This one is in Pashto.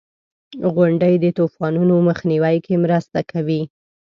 • غونډۍ د طوفانونو مخنیوي کې مرسته کوي.